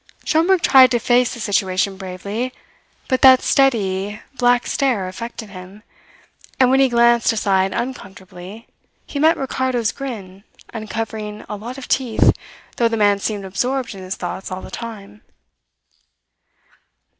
Schomberg tried to face the situation bravely, but that steady, black stare affected him. And when he glanced aside uncomfortably, he met Ricardo's grin uncovering a lot of teeth, though the man seemed absorbed in his thoughts all the time.